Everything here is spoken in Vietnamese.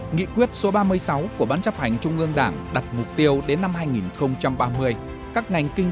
nghị quyết số ba mươi sáu của ban chấp hành trung ương đảng đặt mục tiêu đến năm hai nghìn ba mươi các ngành kinh